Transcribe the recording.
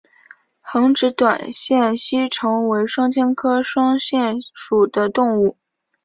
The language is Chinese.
横殖短腺吸虫为双腔科短腺属的动物。